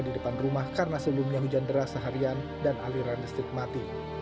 di depan rumah karena sebelumnya hujan deras seharian dan aliran listrik mati